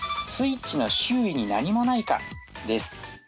スイッチの周囲に何もないかです。